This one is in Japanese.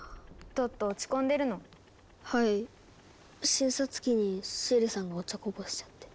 診察機にシエリさんがお茶こぼしちゃって。